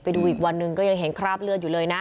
ไปดูอีกวันหนึ่งก็ยังเห็นคราบเลือดอยู่เลยนะ